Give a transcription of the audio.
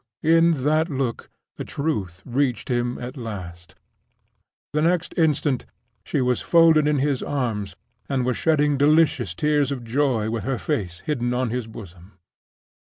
In that look the truth reached him at last. The next instant she was folded in his arms, and was shedding delicious tears of joy, with her face hidden on his bosom.